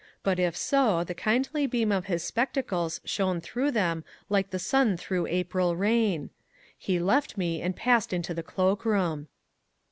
But if so the kindly beam of his spectacles shone through them like the sun through April rain. He left me and passed into the cloak room.